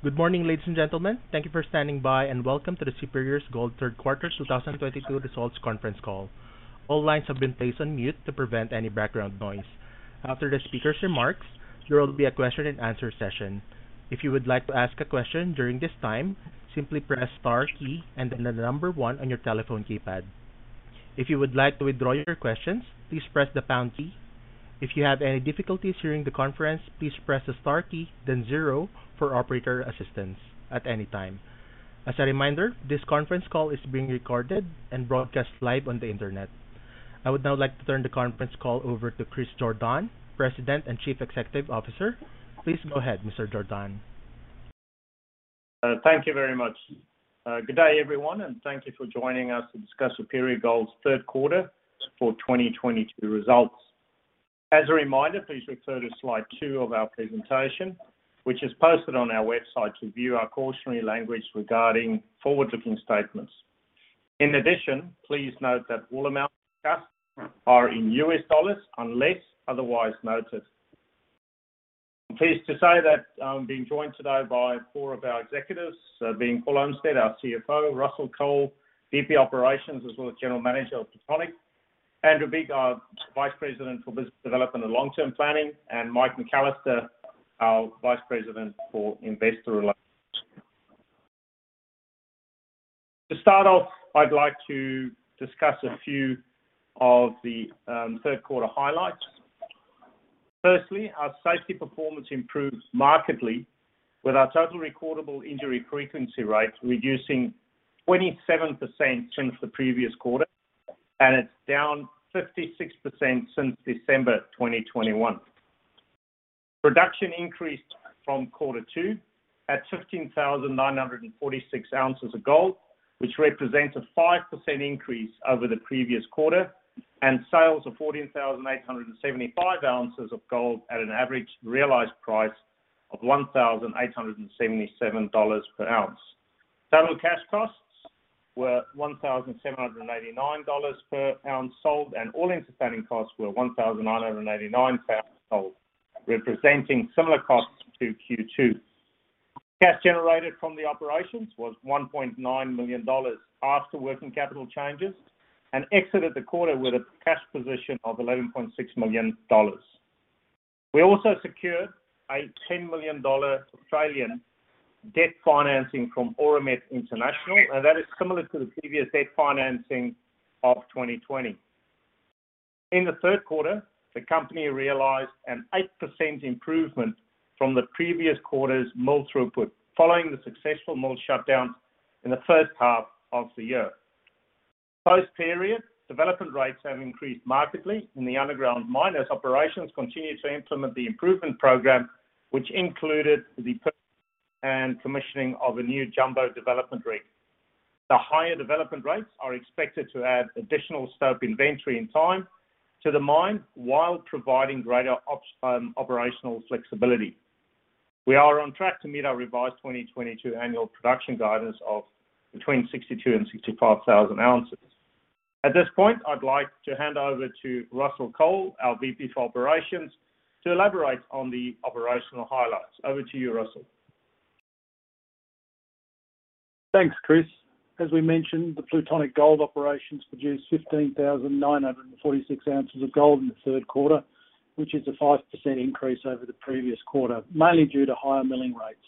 Good morning, ladies and gentlemen. Thank you for standing by, welcome to the Superior Gold third quarter 2022 results conference call. All lines have been placed on mute to prevent any background noise. After the speaker's remarks, there will be a question and answer session. If you would like to ask a question during this time, simply press Star key and then the number one on your telephone keypad. If you would like to withdraw your questions, please press the Pound key. If you have any difficulties during the conference, please press the Star key then zero for operator assistance at any time. As a reminder, this conference call is being recorded and broadcast live on the Internet. I would now like to turn the conference call over to Chris Jordaan, President and Chief Executive Officer. Please go ahead, Mr. Jordaan. Thank you very much. Good day, everyone, and thank you for joining us to discuss Superior Gold's third quarter for 2022 results. As a reminder, please refer to slide two of our presentation, which is posted on our website to view our cautionary language regarding forward-looking statements. In addition, please note that all amounts discussed are in U.S. dollars unless otherwise noted. I'm pleased to say that I'm being joined today by four of our executives, being Paul Olmsted, our CFO, Russell Cole, VP Operations as well as General Manager of Plutonic, Andrew Bigg, our Vice President for Business Development and Long-Term Planning, and Mike McAllister, our Vice President for Investor Relations. To start off, I'd like to discuss a few of the third quarter highlights. Our safety performance improved markedly with our total recordable injury frequency rate reducing 27% since the previous quarter, and it's down 56% since December 2021. Production increased from Quarter 2 at 15,946 oz of gold, which represents a 5% increase over the previous quarter, and sales of 14,875 oz of gold at an average realized price of $1,877 per oz. Total cash costs were $1,789 per o z sold, and all-in sustaining costs were $1,989 per oz sold, representing similar costs to Q2. Cash generated from the operations was $1.9 million after working capital changes and exited the quarter with a cash position of $11.6 million. We also secured an 10 million Australian dollars debt financing from Auramet International, that is similar to the previous debt financing of 2020. In the third quarter, the company realized an 8% improvement from the previous quarter's mill throughput following the successful mill shutdowns in the first half of the year. Post-period, development rates have increased markedly in the underground mine as operations continue to implement the improvement program, which included the commissioning of a new jumbo development rig. The higher development rates are expected to add additional stope inventory in time to the mine while providing greater ops, operational flexibility. We are on track to meet our revised 2022 annual production guidance of between 62,000 oz and 65,000 oz. At this point, I'd like to hand over to Russell Cole, our VP for Operations, to elaborate on the operational highlights. Over to you, Russell. Thanks, Chris. As we mentioned, the Plutonic Gold Operations produced 15,946 oz of gold in the third quarter, which is a 5% increase over the previous quarter, mainly due to higher milling rates.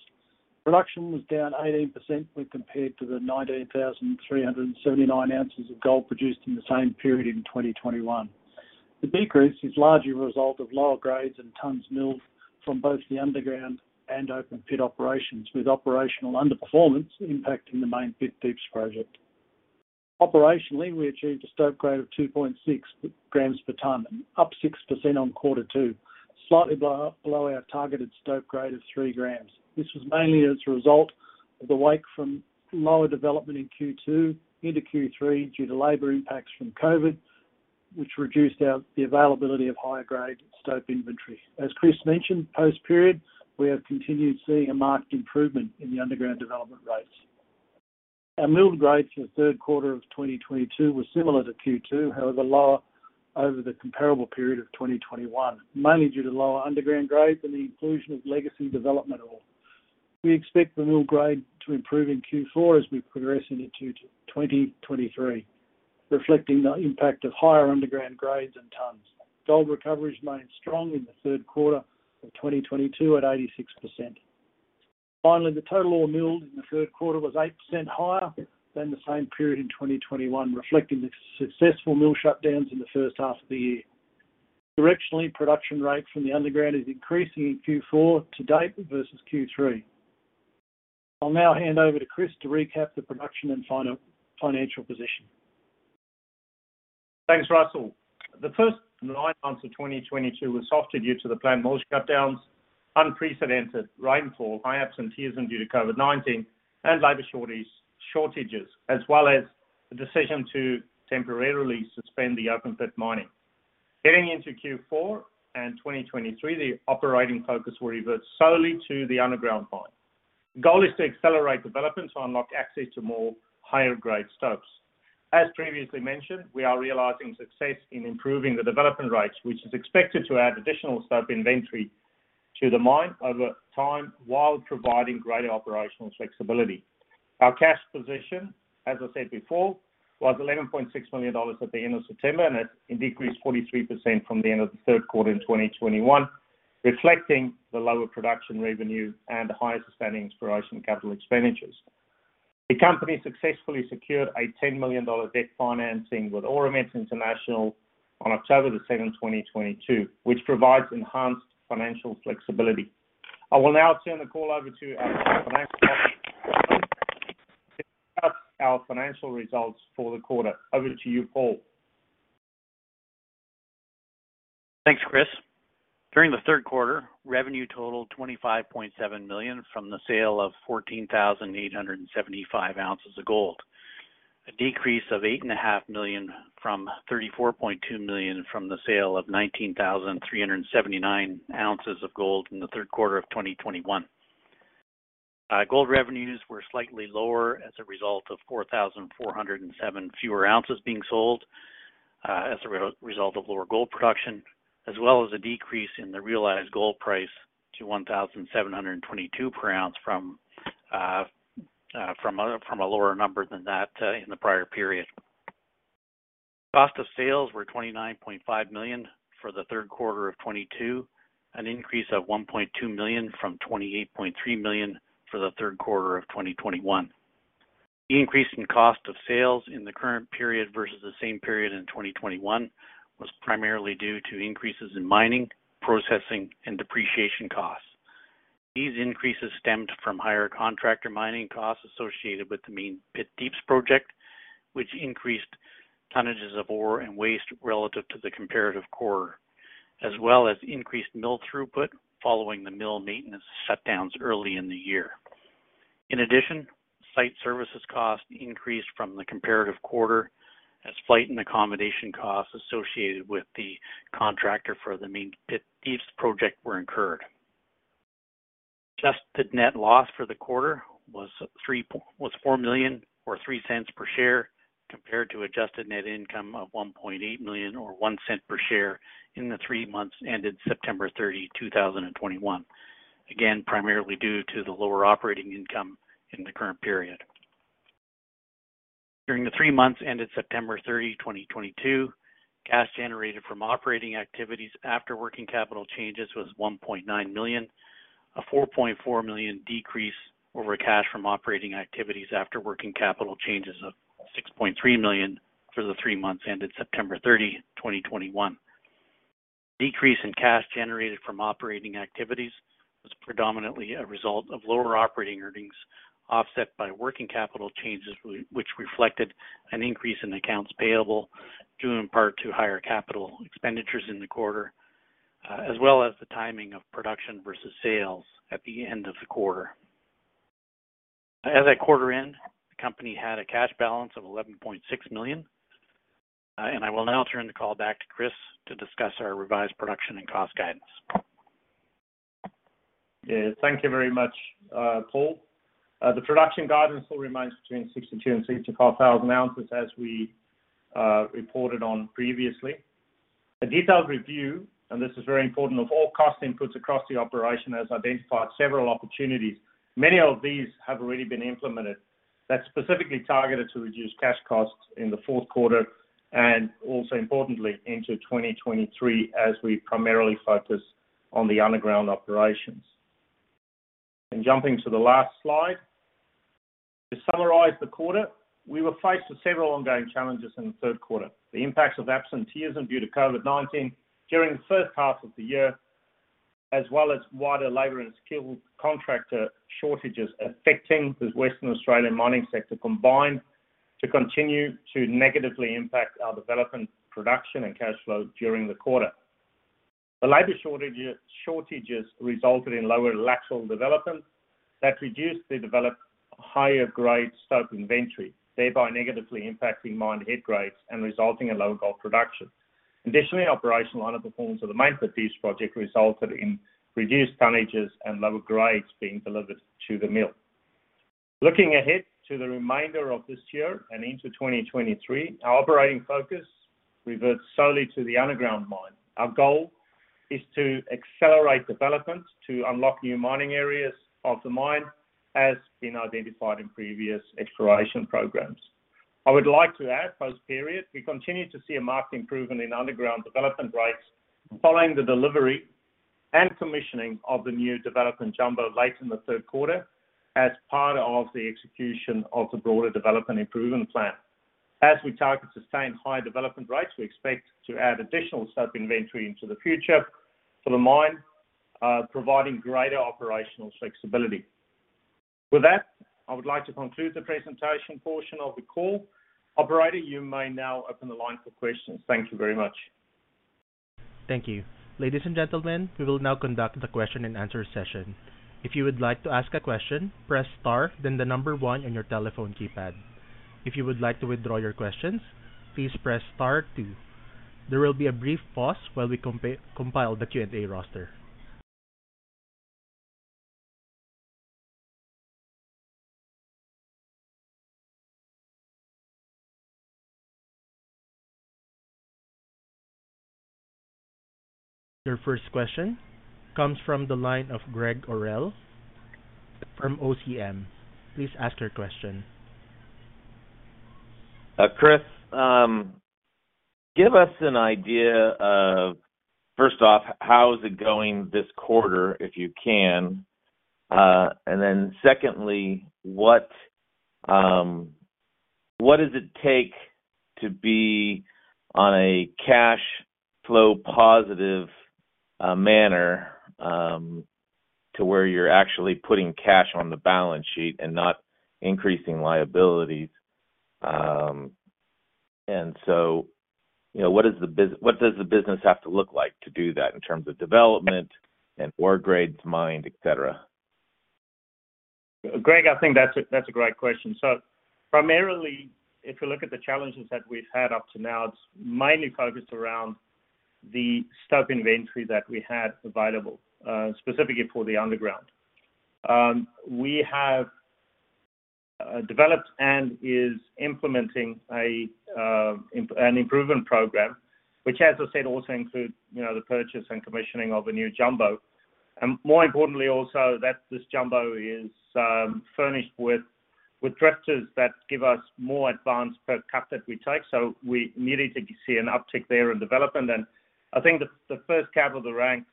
Production was down 18% when compared to the 19,379 oz of gold produced in the same period in 2021. The decrease is largely a result of lower grades and tons milled from both the underground and open pit operations, with operational underperformance impacting the Main Pit Deeps project. Operationally, we achieved a stope grade of 2.6 g per ton, up 6% on quarter two, slightly below our targeted stope grade of 3 g. This was mainly as a result of the wake from lower development in Q2 into Q3 due to labor impacts from COVID, which reduced the availability of higher grade stope inventory. As Chris mentioned, post-period, we have continued seeing a marked improvement in the underground development rates. Our milled grades for the third quarter of 2022 were similar to Q2, however, lower over the comparable period of 2021, mainly due to lower underground grades and the inclusion of legacy development ore. We expect the mill grade to improve in Q4 as we progress into 2023, reflecting the impact of higher underground grades and ton. Gold recovery remained strong in the third quarter of 2022 at 86%. The total ore milled in the third quarter was 8% higher than the same period in 2021, reflecting the successful mill shutdowns in the first half of the year. Directionally, production rate from the underground is increasing in Q4 to date versus Q3. I'll now hand over to Chris to recap the production and final, financial position. Thanks, Russell. The first nine months of 2022 were softer due to the planned mill shutdowns, unprecedented rainfall, high absenteeism due to COVID-19, and labor shortages, as well as the decision to temporarily suspend the open pit mining. Heading into Q4 and 2023, the operating focus will revert solely to the underground mine. The goal is to accelerate development to unlock access to more higher-grade stopes. As previously mentioned, we are realizing success in improving the development rates, which is expected to add additional stock inventory to the mine over time while providing greater operational flexibility. Our cash position, as I said before, was $11.6 million at the end of September. It decreased 43% from the end of the third quarter in 2021, reflecting the lower production revenue and higher sustaining exploration capital expenditures. The company successfully secured a $10 million debt financing with Auramet International on October 7, 2022, which provides enhanced financial flexibility. I will now turn the call over to our Chief Financial Officer Paul Olmsted to discuss our financial results for the quarter. Over to you, Paul. Thanks, Chris. During the third quarter, revenue totaled $25.7 million from the sale of 14,875 oz of gold. A decrease of eight and a half million from $34.2 million from the sale of 19,379 oz of gold in the third quarter of 2021. Gold revenues were slightly lower as a result of 4,407 fewer oz being sold, as a result of lower gold production, as well as a decrease in the realized gold price to $1,722 per oz from a lower number than that in the prior period. Cost of sales were $29.5 million for the third quarter of 2022, an increase of $1.2 million from $28.3 million for the third quarter of 2021. The increase in cost of sales in the current period versus the same period in 2021 was primarily due to increases in mining, processing, and depreciation costs. These increases stemmed from higher contractor mining costs associated with the Main Pit Deeps project, which increased tonnages of ore and waste relative to the comparative quarter, as well as increased mill throughput following the mill maintenance shutdowns early in the year. Site services cost increased from the comparative quarter as flight and accommodation costs associated with the contractor for the Main Pit Deeps project were incurred. Adjusted net loss for the quarter was $4 million or $0.03 per share, compared to adjusted net income of $1.8 million or $0.01 per share in the three months ended September 30, 2021. primarily due to the lower operating income in the current period. During the three months ended September 30, 2022, cash generated from operating activities after working capital changes was $1.9 million. A $4.4 million decrease over cash from operating activities after working capital changes of $6.3 million for the three months ended September 30, 2021. Decrease in cash generated from operating activities was predominantly a result of lower operating earnings, offset by working capital changes which reflected an increase in accounts payable, due in part to higher capital expenditures in the quarter, as well as the timing of production versus sales at the end of the quarter. As at quarter end, the company had a cash balance of $11.6 million. I will now turn the call back to Chris to discuss our revised production and cost guidance. Yeah. Thank you very much, Paul. The production guidance still remains between 62,000 oz and 64,000 oz, as we reported on previously. A detailed review, and this is very important, of all cost inputs across the operation has identified several opportunities. Many of these have already been implemented that's specifically targeted to reduce cash costs in the fourth quarter and also importantly into 2023 as we primarily focus on the underground operations. Jumping to the last slide. To summarize the quarter, we were faced with several ongoing challenges in the third quarter. The impacts of absenteeism due to COVID-19 during the first half of the year, as well as wider labor and skilled contractor shortages affecting the Western Australian mining sector combined, to continue to negatively impact our development, production, and cash flow during the quarter. The labor shortages resulted in lower lateral development that reduced the developed higher grade stope inventory, thereby negatively impacting mine head grades and resulting in lower gold production. Operational underperformance of the Main Pit Deeps project resulted in reduced tonnages and lower grades being delivered to the mill. Looking ahead to the remainder of this year and into 2023, our operating focus reverts solely to the underground mine. Our goal is to accelerate development to unlock new mining areas of the mine as been identified in previous exploration programs. I would like to add, post-period, we continue to see a marked improvement in underground development rates following the delivery and commissioning of the new development jumbo late in the third quarter as part of the execution of the broader development improvement plan. As we target sustained high development rates, we expect to add additional stope inventory into the future for the mine, providing greater operational flexibility. With that, I would like to conclude the presentation portion of the call. Operator, you may now open the line for questions. Thank you very much. Thank you. Ladies and gentlemen, we will now conduct the question and answer session. If you would like to ask a question, press star, then the 1 on your telephone keypad. If you would like to withdraw your questions, please press star 2. There will be a brief pause while we compile the Q&A roster. Your first question comes from the line of Greg Orrell from OCM. Please ask your question. Chris, give us an idea of, first off, how is it going this quarter, if you can? Secondly, what does it take to be on a cash flow positive manner to where you're actually putting cash on the balance sheet and not increasing liabilities? You know, what does the business have to look like to do that in terms of development and ore grades mined, et cetera? Greg, I think that's a great question. Primarily, if you look at the challenges that we've had up to now, it's mainly focused around the stope inventory that we had available, specifically for the underground. We have developed and is implementing an improvement program, which as I said, also includes, you know, the purchase and commissioning of a new jumbo. More importantly also, that this jumbo is furnished with drifters that give us more advance per cut that we take. We immediately see an uptick there in development. I think the first cab of the rank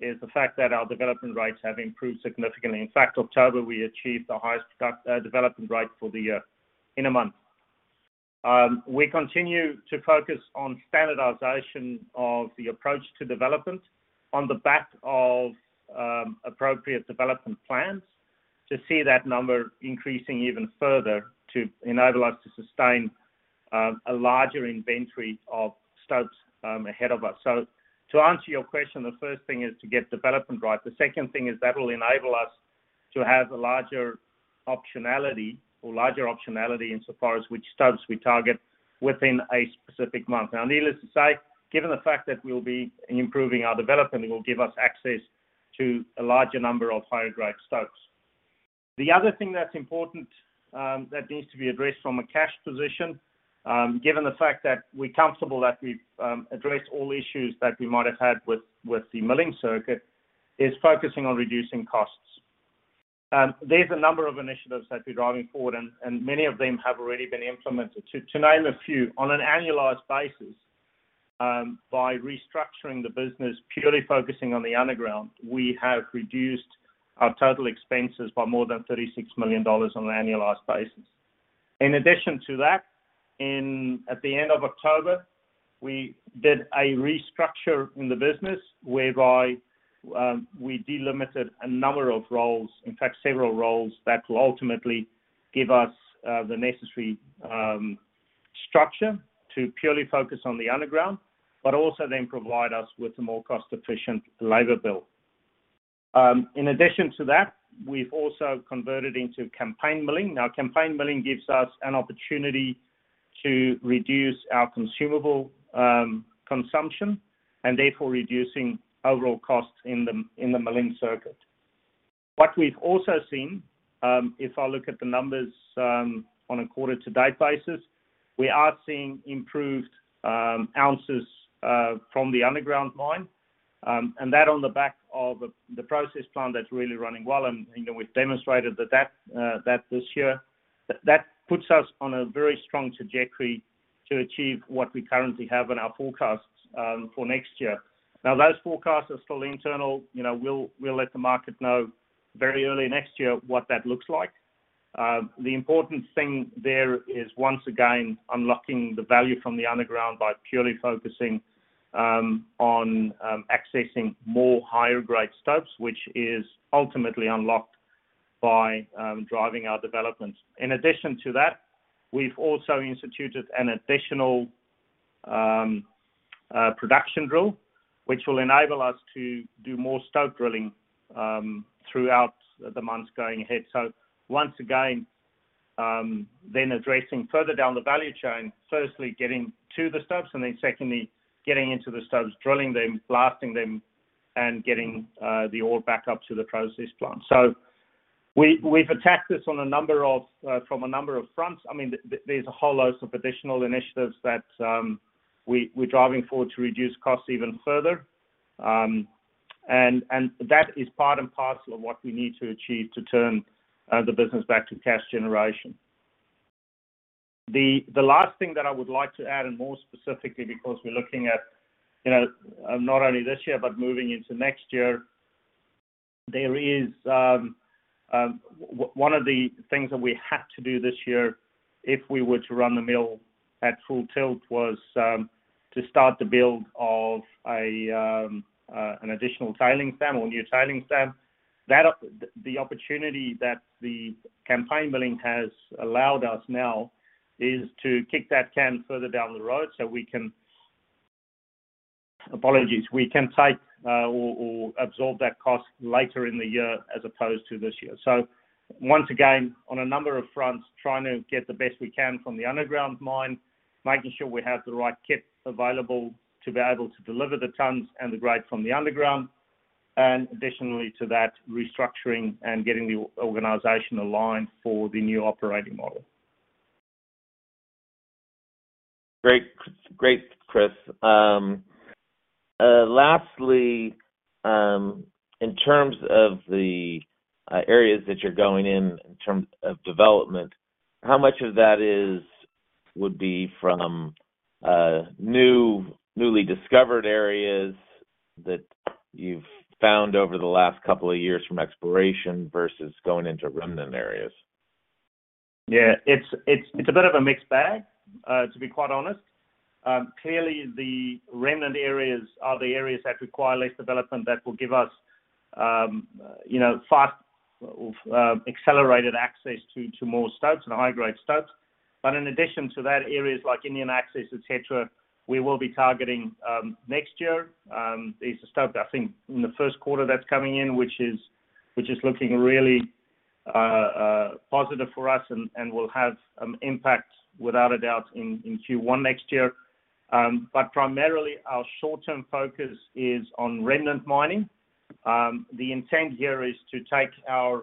is the fact that our development rates have improved significantly. In fact, October we achieved the highest cut development rate for the year in a month. We continue to focus on standardization of the approach to development on the back of appropriate development plans to see that number increasing even further, to enable us to sustain a larger inventory of stopes ahead of us. To answer your question, the first thing is to get development right. The second thing is that will enable us to have a larger optionality in so far as which stopes we target within a specific month. Needless to say, given the fact that we'll be improving our development, it will give us access to a larger number of higher grade stopes. The other thing that's important, that needs to be addressed from a cash position, given the fact that we're comfortable that we've addressed all issues that we might have had with the milling circuit, is focusing on reducing costs. There's a number of initiatives that we're driving forward and many of them have already been implemented. To name a few, on an annualized basis, by restructuring the business purely focusing on the underground, we have reduced our total expenses by more than $36 million on an annualized basis. In addition to that, at the end of October, we did a restructure in the business whereby we delimited a number of roles, in fact several roles that will ultimately give us the necessary structure to purely focus on the underground, but also then provide us with a more cost-efficient labor bill. In addition to that, we've also converted into campaign milling. Now, campaign milling gives us an opportunity to reduce our consumable consumption and therefore reducing overall costs in the milling circuit. What we've also seen, if I look at the numbers, on a quarter to date basis, we are seeing improved ounces from the underground mine. And that on the back of the process plant that's really running well. We've demonstrated that this year. That puts us on a very strong trajectory to achieve what we currently have in our forecasts for next year. Those forecasts are still internal. You know, we'll let the market know very early next year what that looks like. The important thing there is once again unlocking the value from the underground by purely focusing on accessing more higher grade stopes, which is ultimately unlocked by driving our development. In addition to that, we've also instituted an additional production drill, which will enable us to do more stope drilling throughout the months going ahead. Once again, then addressing further down the value chain, firstly getting to the stopes, and then secondly, getting into the stopes, drilling them, blasting them, and getting the ore back up to the process plant. We've attacked this on a number of, from a number of fronts. I mean, there's a whole host of additional initiatives that we're driving forward to reduce costs even further. That is part and parcel of what we need to achieve to turn the business back to cash generation. The last thing that I would like to add, and more specifically because we're looking at, you know, not only this year, but moving into next year, there is, one of the things that we had to do this year if we were to run the mill at full tilt was to start the build of an additional tailings dam or a new tailings dam. That the opportunity that the campaign milling has allowed us now is to kick that can further down the road so we can. Apologies. We can take, or absorb that cost later in the year as opposed to this year. Once again, on a number of fronts, trying to get the best we can from the underground mine, making sure we have the right kit available to be able to deliver the tons and the grade from the underground, and additionally to that, restructuring and getting the organization aligned for the new operating model. Great, great, Chris. Lastly, in terms of the areas that you're going in terms of development, how much of that would be from newly discovered areas that you've found over the last couple of years from exploration versus going into remnant areas? Yeah. It's a bit of a mixed bag, to be quite honest. Clearly the remnant areas are the areas that require less development that will give us, you know, fast, accelerated access to more stopes and high-grade stopes. In addition to that, areas like Indian Access, et cetera, we will be targeting next year. There's a stope, I think in the first quarter that's coming in, which is looking really positive for us and will have an impact without a doubt in Q1 next year. Primarily our short-term focus is on remnant mining. The intent here is to take our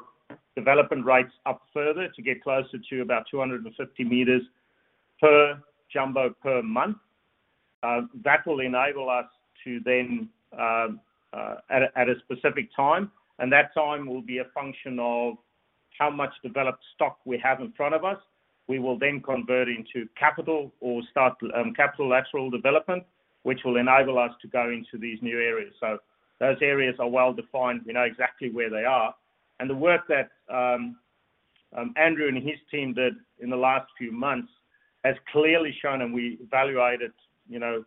development rates up further to get closer to about 250 m per jumbo per month. That will enable us to then, at a specific time, and that time will be a function of how much developed stock we have in front of us. We will then convert into capital or start, capital lateral development, which will enable us to go into these new areas. Those areas are well-defined. We know exactly where they are. The work that Andrew and his team did in the last few months has clearly shown, and we evaluated, you know,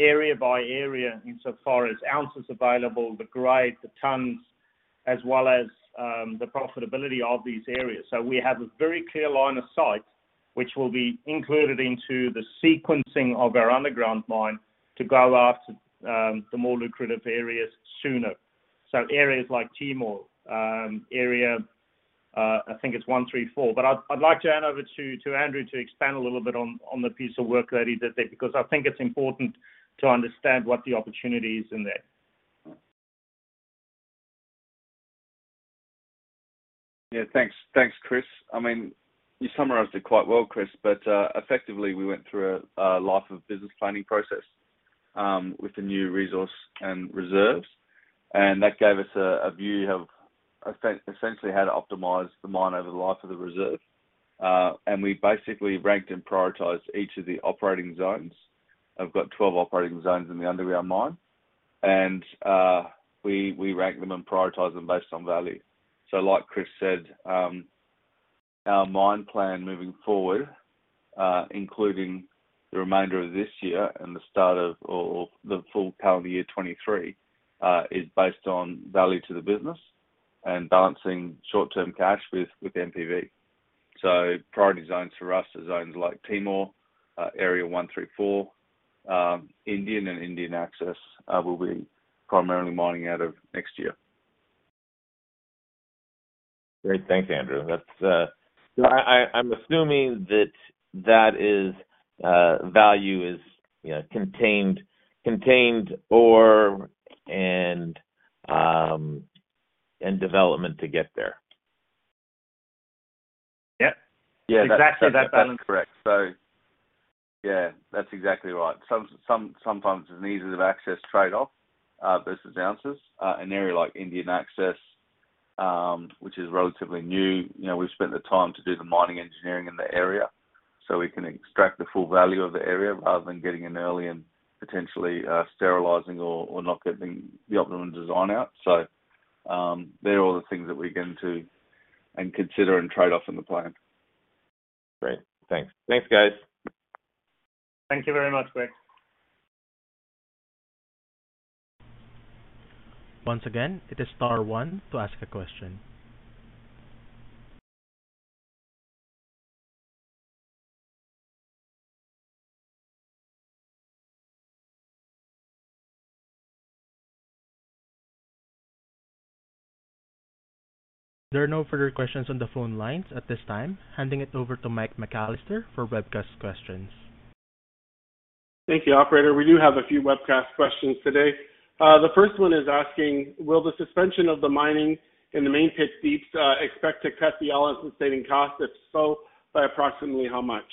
area by area in so far as ounces available, the grade, the tons, as well as the profitability of these areas. We have a very clear line of sight, which will be included into the sequencing of our underground mine to go after the more lucrative areas sooner. Areas like Timor, area, I think it's Area 134. I'd like to hand over to Andrew to expand a little bit on the piece of work that he did there, because I think it's important to understand what the opportunity is in there. Yeah. Thanks, Chris. I mean, you summarized it quite well, Chris. Effectively, we went through a Life of Mine planning process with the new resource and reserves, and that gave us a view of essentially how to optimize the mine over the life of the reserve. We basically ranked and prioritized each of the operating zones. I've got 12 operating zones in the underground mine, and we rank them and prioritize them based on value. Like Chris said, our mine plan moving forward, including the remainder of this year and the start of or the full calendar year 2023, is based on value to the business and balancing short-term cash with NPV. Priority zones for us are zones like Timor, Area 134, Indian and Indian Access, we'll be primarily mining out of next year. Great. Thanks, Andrew. That's. I'm assuming that that is, value is, you know, contained ore and development to get there. Yeah. Yeah. Exactly that balance. That's correct. Yeah, that's exactly right. Sometimes there's an ease of access trade-off versus ounces. An area like Indian Access, which is relatively new, you know, we've spent the time to do the mining engineering in the area, so we can extract the full value of the area rather than getting in early and potentially sterilizing or not getting the optimum design out. They're all the things that we get into and consider and trade-off in the plan. Great. Thanks. Thanks, guys. Thank you very much, Greg. Once again, it is star one to ask a question. There are no further questions on the phone lines at this time. Handing it over to Mike McAllister for webcast questions. Thank you, operator. We do have a few webcast questions today. The first one is asking, will the suspension of the mining in the Main Pit Deeps, expect to cut the all-in sustaining cost? If so, by approximately how much?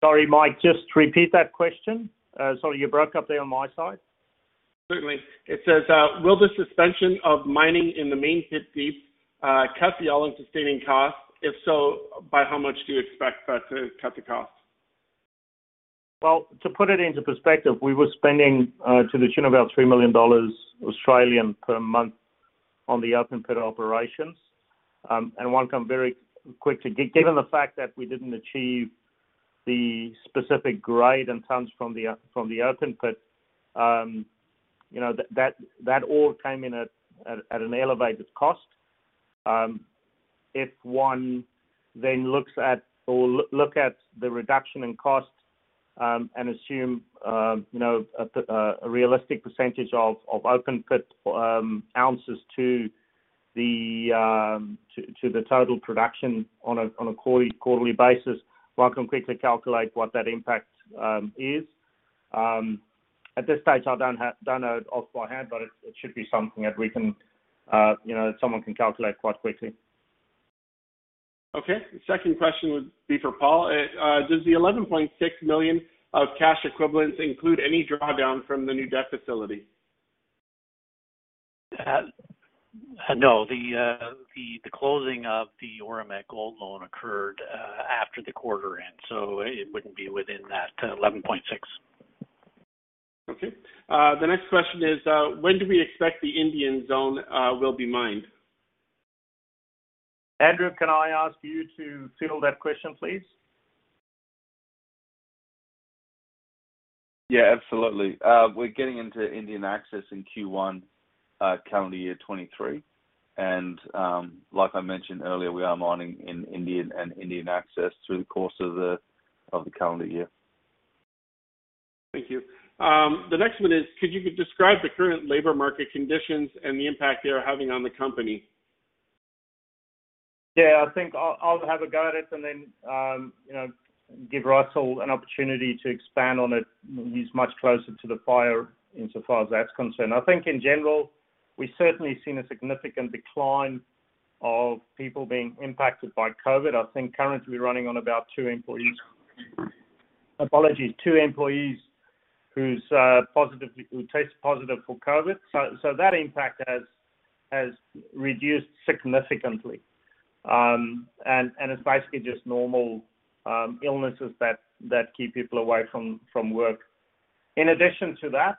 Sorry, Mike, just repeat that question? Sorry, you broke up there on my side. Certainly. It says, will the suspension of mining in the Main Pit Deeps cut the all-in sustaining cost? If so, by how much do you expect that to cut the cost? Well, to put it into perspective, we were spending to the tune of about 3 million Australian dollars per month on the open pit operations. One can very quickly. Given the fact that we didn't achieve the specific grade and tons from the from the open pit, you know, that ore came in at an elevated cost. If one then looks at or look at the reduction in cost, and assume, you know, a realistic percentage of open pit ounces to the total production on a quarterly basis, one can quickly calculate what that impact is. At this stage, don't know it off by head, but it should be something that we can, you know, someone can calculate quite quickly. Okay. The second question would be for Paul. Does the $11.6 million of cash equivalents include any drawdown from the new debt facility? No. The closing of the Auramet gold loan occurred after the quarter end. It wouldn't be within that $11.6 million. The next question is, when do we expect the Indian zone will be mined? Andrew, can I ask you to field that question, please? Yeah, absolutely. We're getting into Indian access in Q1, calendar year 2023. Like I mentioned earlier, we are mining in Indian and Indian access through the course of the calendar year. Thank you. The next one is, could you describe the current labor market conditions and the impact they are having on the company? I think I'll have a go at it and then, you know, give Russell an opportunity to expand on it. He's much closer to the fire in so far as that's concerned. I think in general, we've certainly seen a significant decline of people being impacted by COVID. I think currently we're running on about two employees. Apologies. Two employees who test positive for COVID. That impact has reduced significantly. And it's basically just normal illnesses that keep people away from work. In addition to that,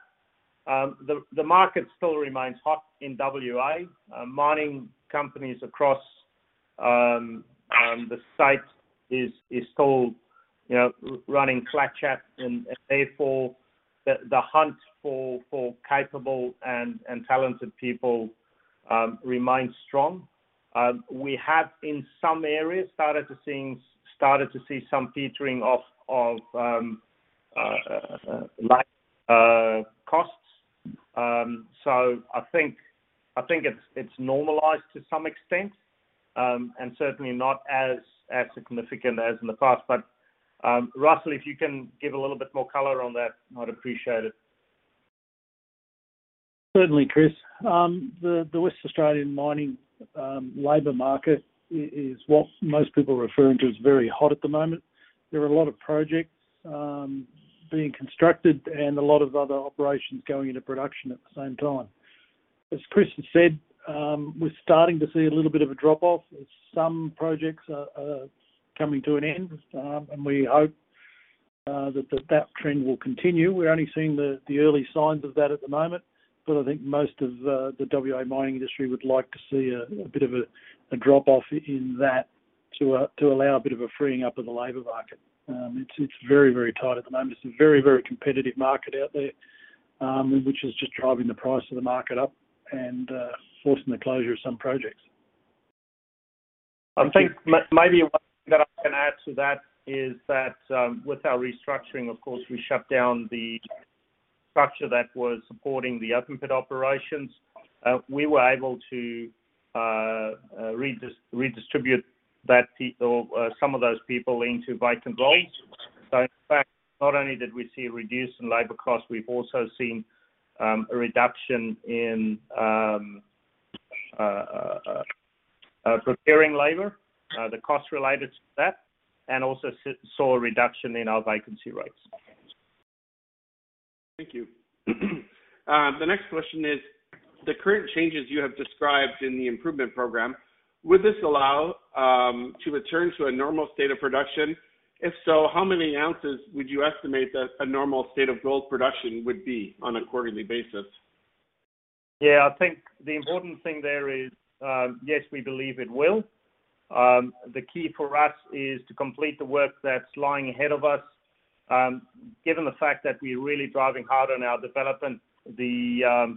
the market still remains hot in WA. Mining companies across the site is still, you know, running flat chat and therefore the hunt for capable and talented people remains strong. We have, in some areas, started to see some featuring of like costs. I think it's normalized to some extent and certainly not as significant as in the past. Russell, if you can give a little bit more color on that, I'd appreciate it. Certainly, Chris. The Western Australian mining labor market is what most people are referring to as very hot at the moment. There are a lot of projects being constructed and a lot of other operations going into production at the same time. As Chris has said, we're starting to see a little bit of a drop-off as some projects are coming to an end. We hope that that trend will continue. We're only seeing the early signs of that at the moment, but I think most of the WA mining industry would like to see a bit of a drop-off in that to allow a bit of a freeing up of the labor market. It's very, very tight at the moment. It's a very, very competitive market out there, which is just driving the price of the market up and forcing the closure of some projects. I think maybe one thing that I can add to that is that, with our restructuring, of course, we shut down the structure that was supporting the open pit operations. We were able to redistribute that or some of those people into vacant roles. In fact, not only did we see a reduction in labor costs, we've also seen a reduction in preparing labor, the cost related to that, and also saw a reduction in our vacancy rates. Thank you. The next question is, the current changes you have described in the improvement program, would this allow to return to a normal state of production? If so, how many ounces would you estimate that a normal state of gold production would be on a quarterly basis? Yeah. I think the important thing there is, yes, we believe it will. The key for us is to complete the work that's lying ahead of us. Given the fact that we're really driving hard on our development, the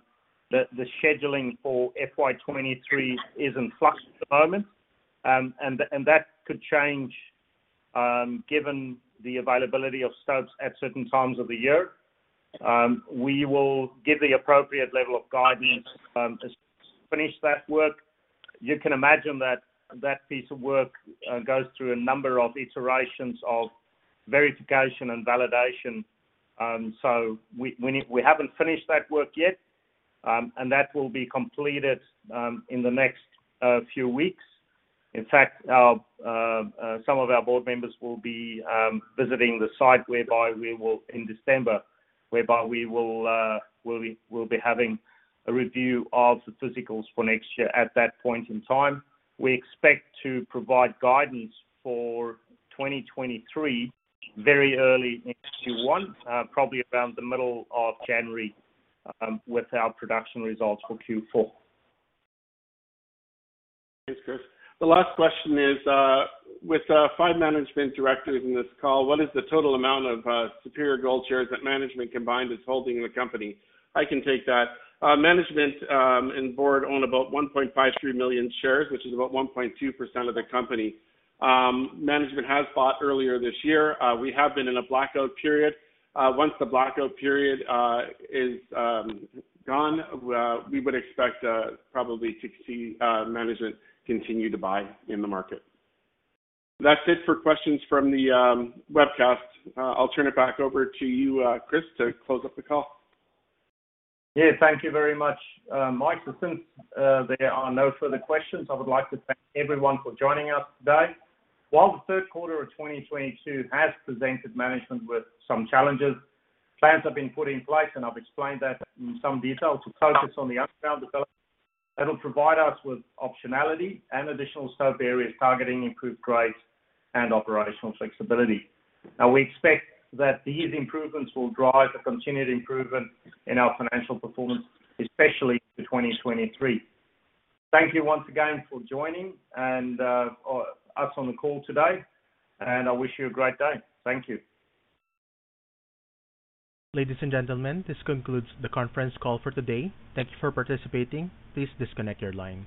scheduling for FY23 is in flux at the moment. That could change, given the availability of stubs at certain times of the year. We will give the appropriate level of guidance to finish that work. You can imagine that that piece of work goes through a number of iterations of verification and validation. We haven't finished that work yet, and that will be completed in the next few weeks. In fact, some of our board members will be visiting the site whereby we will in December, whereby we will be having a review of the physicals for next year at that point in time. We expect to provide guidance for 2023 very early in Q1, probably around the middle of January, with our production results for Q4. Thanks, Chris. The last question is, with five management directors in this call, what is the total amount of Superior Gold shares that management combined is holding in the company? I can take that. Management and board own about 1.53 million shares, which is about 1.2% of the company. Management has bought earlier this year. We have been in a blackout period. Once the blackout period is gone, we would expect probably to see management continue to buy in the market. That's it for questions from the webcast. I'll turn it back over to you, Chris, to close up the call. Yeah. Thank you very much, Mike. Since there are no further questions, I would like to thank everyone for joining us today. While the third quarter of 2022 has presented management with some challenges, plans have been put in place, and I've explained that in some detail, to focus on the underground development that will provide us with optionality and additional scope areas targeting improved grades and operational flexibility. We expect that these improvements will drive a continued improvement in our financial performance, especially through 2023. Thank you once again for joining us on the call today, I wish you a great day. Thank you. Ladies and gentlemen, this concludes the conference call for today. Thank you for participating. Please disconnect your line.